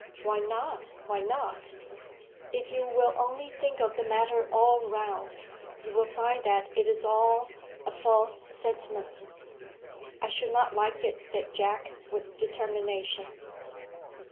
"Why not? why not? If you will only think of the matter all round, you will find that it is all a false sentiment." "I should not like it," said Jack, with determination.